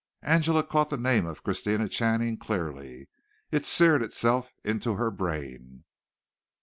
Angela caught the name of Christina Channing clearly. It seared itself in her brain.